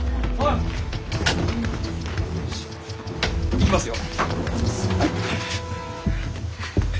いきますよ。